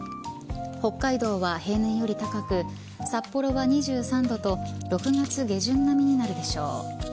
北海道は平年より高く札幌は２３度と６月下旬並みになるでしょう。